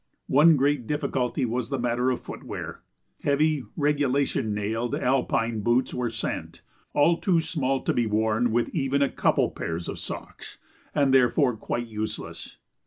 One great difficulty was the matter of footwear. Heavy regulation nailed alpine boots were sent all too small to be worn with even a couple of pairs of socks, and therefore quite useless.